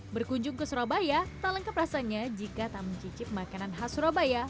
berkunjung ke surabaya tak lengkap rasanya jika tak mencicip makanan khas surabaya